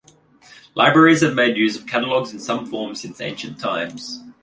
Libraries have made use of catalogs in some form since ancient times.